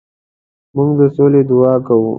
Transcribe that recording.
موږ د سولې دعا کوو.